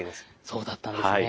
そうだったんですね。